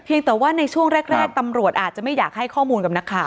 แต่ว่าในช่วงแรกตำรวจอาจจะไม่อยากให้ข้อมูลกับนักข่าว